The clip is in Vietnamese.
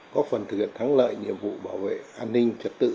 góp phần thực hiện thắng lợi nhiệm vụ bảo vệ an ninh trật tự